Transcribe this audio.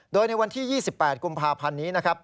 โดยในวันที่๒๘กฎภัณฑ์นี้นะครับ